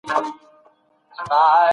نوکان پرې کول سنت دي.